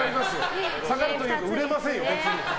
下がるというか売れませんよ。